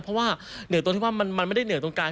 เพราะว่าเหนือตรงที่ว่ามันไม่ได้เหนือตรงกลาง